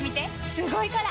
すごいから！